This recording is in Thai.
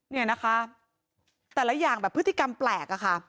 เนี่ยนะคะแต่ละอย่างแบบพฤติกรรมแปลกอะค่ะ